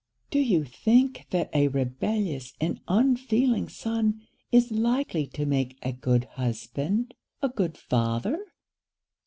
Do you think that a rebellious and unfeeling son is likely to make a good husband, a good father?'